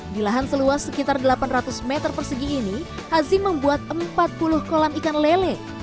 di lahan seluas sekitar delapan ratus meter persegi ini hazim membuat empat puluh kolam ikan lele